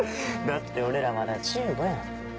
だって俺らまだ１５やん。